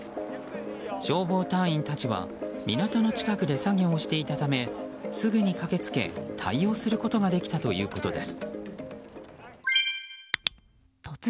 消防隊員たちは港の近くで作業をしていたためすぐに駆けつけ対応することができたということです。